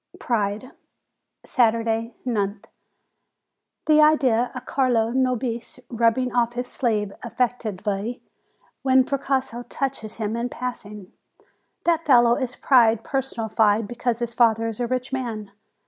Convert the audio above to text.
PRIDE Saturday, nth. The idea of Carlo Nobis rubbing off his sleeve affectedly, when Precossi touches him in passing! That fellow is pride personified because his father is a rich man.